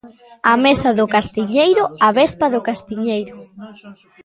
A mesa do castiñeiro, a avespa do castiñeiro.